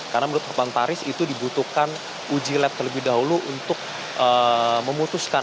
karena menurut hukuman taris itu dibutuhkan uji lab terlebih dahulu untuk memutuskan